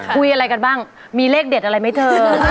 คุยอะไรกันบ้างมีเลขเด็ดอะไรไหมเธอ